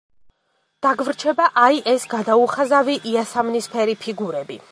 დაგვრჩება აი ეს გადაუხაზავი იასამნისფერი ფიგურები.